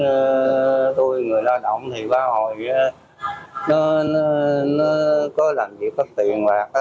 đối với tôi người lao động thì bao giờ có làm việc có tiền hoạt